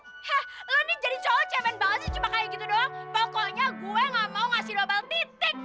heh lu nih jadi cowok cemen banget sih cuma kayak gitu doang pokoknya gue gak mau ngasih dobel titik